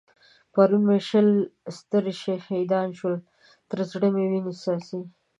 پرون مو شل سترې شهيدان شول؛ تر زړه مې وينې څاڅي.